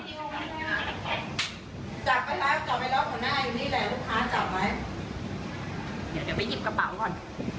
เดี๋ยวไปยิบกระเป๋าก่อน